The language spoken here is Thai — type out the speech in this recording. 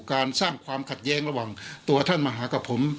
การสร้างความขัดแย้งระหว่างตัวท่านมหากับผม